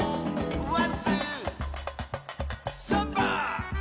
「ワンツー」「サンバ！」